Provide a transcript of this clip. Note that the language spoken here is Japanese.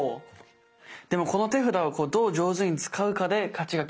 でもこの手札をどう上手に使うかで勝ちが決まってくるってことね。